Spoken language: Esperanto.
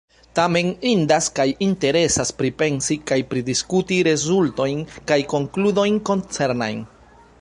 Tamen indas kaj interesas pripensi kaj pridiskuti rezultojn kaj konkludojn koncernajn.